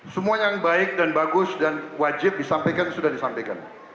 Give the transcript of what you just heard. semua yang baik dan bagus dan wajib disampaikan sudah disampaikan